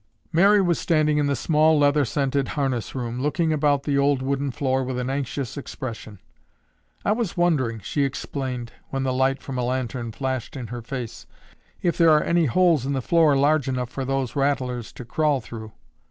Mary was standing in the small leather scented harness room, looking about the old wooden floor with an anxious expression. "I was wondering," she explained when the light from a lantern flashed in her face, "if there are any holes in the floor large enough for those rattlers to crawl through."